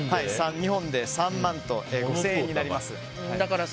２本で３万５０００円になります。